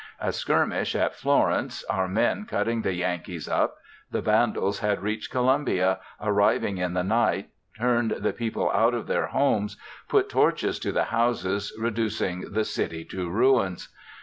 A skirmish at Florence, our men cutting the Yankees up; the vandals had reached Columbia, arriving in the night, turned the people out of their homes, put torches to the houses reducing the city to ruins.